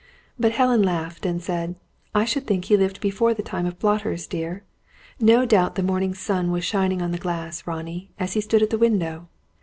But Helen had laughed and said: "I should think he lived before the time of blotters, dear! No doubt the morning sun was shining on the glass, Ronnie, as he stood at the window.